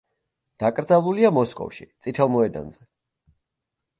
დაკრძალულია მოსკოვში, წითელ მოედანზე.